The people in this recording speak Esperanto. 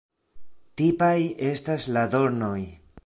Tipaj estas la dornoj.